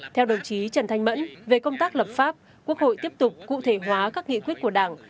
theo đồng chí trần thanh mẫn về công tác lập pháp quốc hội tiếp tục cụ thể hóa các nghị quyết của đảng